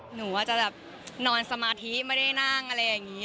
หนูว่าจะแบบนอนสมาธิไม่ได้นั่งอะไรอย่างนี้